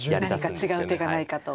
何か違う手がないかと。